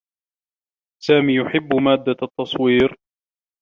سامي يحبّ مادّة التّصوير.